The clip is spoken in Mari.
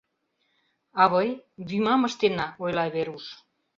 — Авый, вӱмам ыштена, — ойла Веруш.